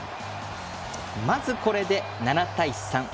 まずこれで７対３。